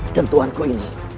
dan tuhan ku ini